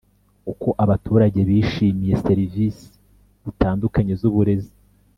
uko abaturage bishimiye serivisi zitandukanye z uburezi